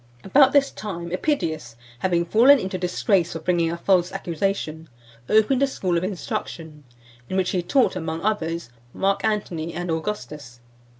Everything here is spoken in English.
IV. About this time, EPIDIUS having fallen into disgrace for bringing a false accusation, opened a school of instruction, in which he taught, among others, Mark Antony and Augustus.